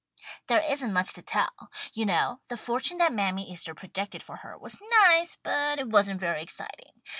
"There isn't much to tell. You know the fortune that Mammy Easter predicted for her was nice, but it wasn't very exciting.